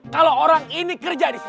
kalau orang ini kerja di sini